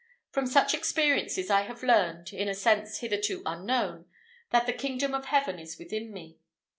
From such experiences I have learned in a sense hitherto unknown that "the kingdom of Heaven is within me."